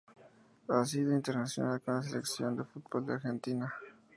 Ha sido internacional con la Selección de Fútbol de Argentina.